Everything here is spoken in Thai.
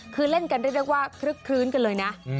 คือเล่นกันเรียกว่าคลึกคลื้นกันเลยนะ